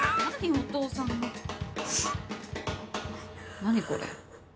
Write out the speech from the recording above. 何これ？